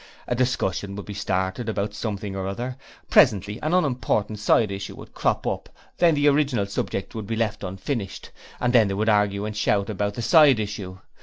A discussion would be started about something or other; presently an unimportant side issue would crop up, then the original subject would be left unfinished, and they would argue and shout about the side issue.